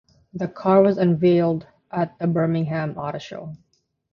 The car was unveiled at the Birmingham Auto Show.